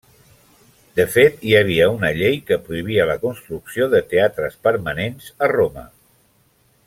De fet hi havia una llei que prohibia la construcció de teatres permanents a Roma.